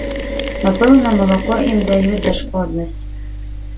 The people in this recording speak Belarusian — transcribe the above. Напэўна, малако ім даюць за шкоднасць.